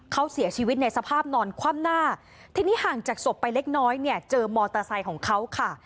เขาเสียชีวิตในสภาพนอนคว่ำหน้าทีนี้ห่างจากศพไปเล็กน้อยเนี่ยเจอมอเตอร์ไซค์ของเขาค่ะ